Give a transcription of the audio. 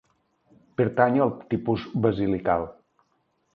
Pertany al tipus basilical.